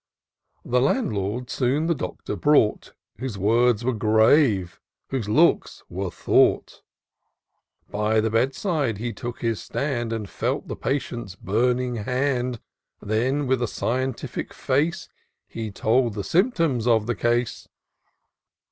The Landlord soon the Doctor brought, Whose words were grave, whose looks were thought By the bed side he took his stand, And felt the patient's burning hand ; J 102 TOUR OF DOCTOR SYNTAX Then, with a scientific face, He told the symptoms of the case.